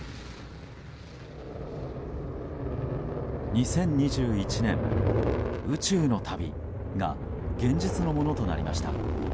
２０２１年、宇宙の旅が現実のものとなりました。